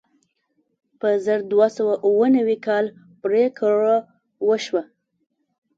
په زر دوه سوه اوه نوي کال پرېکړه وشوه.